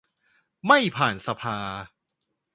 ไม่ผ่านสภา